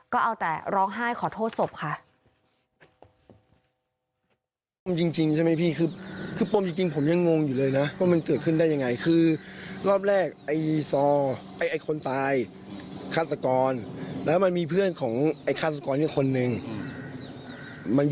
ก็เอาแต่ร้องไห้ขอโทษศพค่ะ